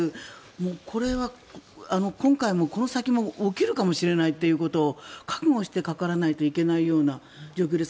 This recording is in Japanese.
これは今回も、この先も起きるかもしれないということを覚悟してかからないといけないような状況です。